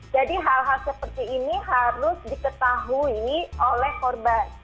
jadi hal hal seperti ini harus diketahui oleh korban